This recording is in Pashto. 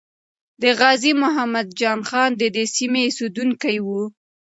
د غازی محمد جان خان ددې سیمې اسیدونکی وو.